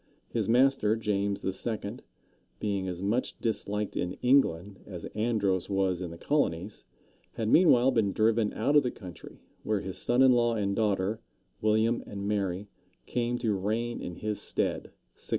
His master, James II., being as much disliked in England as Andros was in the colonies, had meanwhile been driven out of the country, where his son in law and daughter, William and Mary, came to reign in his stead (1688).